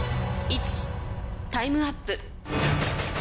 タイムアップ